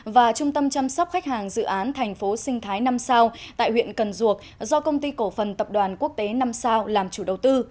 và trung tâm chăm sóc khách hàng dự án thành phố sinh thái năm sao tại huyện cần duộc do công ty cổ phần tập đoàn quốc tế năm sao làm chủ đầu tư